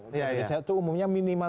di indonesia itu umumnya minimal